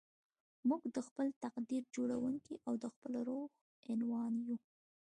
موږ د خپل تقدير جوړوونکي او د خپل روح عنوان يو.